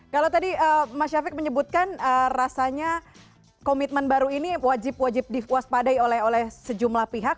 kalau tadi mas syafiq menyebutkan rasanya komitmen baru ini wajib wajib dipuas padai oleh sejumlah pihak